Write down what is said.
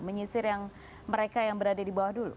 menyisir yang mereka yang berada di bawah dulu